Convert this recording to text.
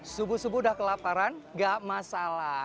subuh subuh sudah kelaparan tidak masalah